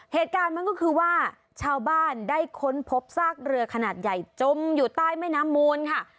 เหตุการณ์มันก็คือว่าชาวบ้านได้ค้นพบซากเรือขนาดใหญ่จมอยู่ใต้แม่น้ำมูลค่ะ